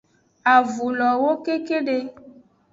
Avun lo woko kekede.